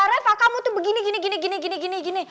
reva kamu tuh begini begini begini begini